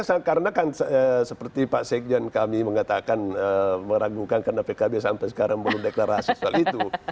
karena kan seperti pak sekjen kami mengatakan meragukan karena pkb sampai sekarang belum deklarasi soal itu